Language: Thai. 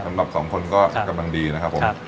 สำหรับสองคนก็กำลังดีนะครับผม